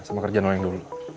sama kerjaan lo yang dulu